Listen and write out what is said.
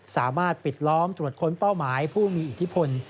สามารถปิดล้อมตรวจค้นเป้าหมายผู้มีอิทธิพล